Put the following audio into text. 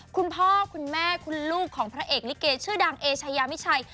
คุณพ่อคุณแม่คุณลูกของพระเอกลิเกชื่อดังเอชายามิชัย